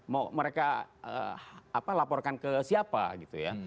mau mereka laporkan ke siapa gitu ya